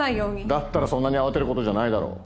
だったらそんなに慌てる事じゃないだろう。